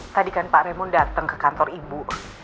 tadi kan pak raymond dateng ke kantor ibu